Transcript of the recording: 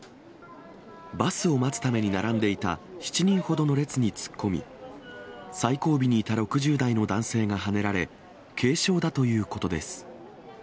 バスを待つために並んでいた７人ほどの列に突っ込み、最後尾にいた６０代の男性がはねられ、軽傷だということです。